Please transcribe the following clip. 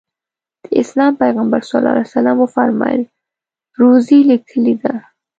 د اسلام پیغمبر ص وفرمایل روزي لیکلې ده.